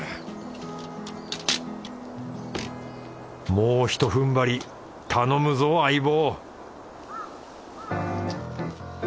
もうひとふんばり頼むぞ相棒！